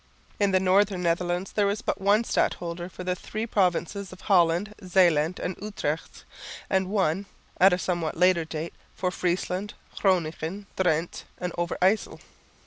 In the northern Netherlands there was but one stadholder for the three provinces of Holland, Zeeland and Utrecht, and one (at a somewhat later date) for Friesland, Groningen, Drente and Overyssel.